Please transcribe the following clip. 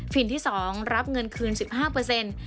ฟิลที่๒รับเงินคืน๑๕